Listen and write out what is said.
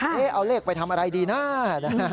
เอ๊ะเอาเลขไปทำอะไรดีน่า